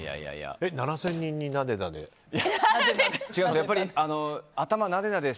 ７０００人になでなで？